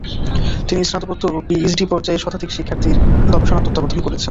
তিনি স্নাতকোত্তর ও পিএইচডি পর্যায়ের শতাধিক শিক্ষার্থীর গবেষণা তত্ত্বাবধান করেছেন।